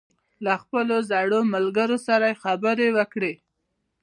له خپلو زړو ملګرو سره یې خبرې وکړې.